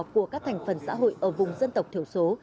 của các thành phần xã hội ở vùng dân tộc thiểu số